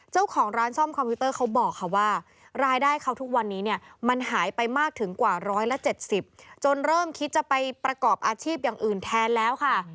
เจ้าของร้านซ่อมคอมพิวเตอร์เขาบอกค่ะว่ารายได้เขาทุกวันนี้เนี่ยมันหายไปมากถึงกว่า๑๗๐จนเริ่มคิดจะไปประกอบอาชีพอย่างอื่นแทนแล้วค่ะ